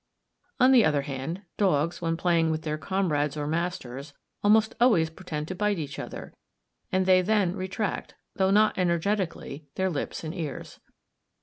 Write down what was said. On the other hand, dogs, when playing with their comrades or masters, almost always pretend to bite each other; and they then retract, though not energetically, their lips and ears.